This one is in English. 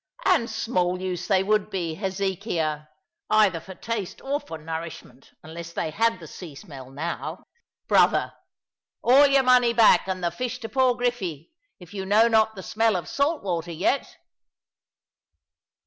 "And small use they would be, Hezekiah, either for taste or for nourishment, unless they had the sea smell now. Brother, all your money back, and the fish to poor Griffy, if you know not the smell of salt water yet."